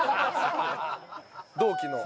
同期の。